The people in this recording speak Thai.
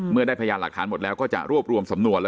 ได้พยานหลักฐานหมดแล้วก็จะรวบรวมสำนวน